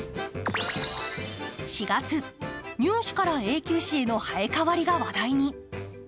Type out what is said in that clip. ４月、乳歯から永久歯への生え変わりが話題に。